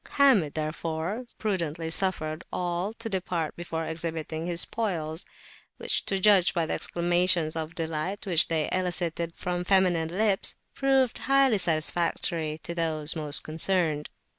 Hamid therefore prudently suffered all to depart before exhibiting his spoils; which, to judge by the exclamations of delight which they elicited from feminine lips, proved highly satisfactory to those most concerned.